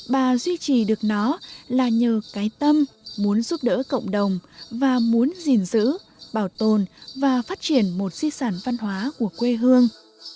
bà duy trì được nó là nhờ cái tâm muốn giúp đỡ cộng đồng và muốn gìn giữ bảo tồn và phát triển một di sản văn hóa của quê hương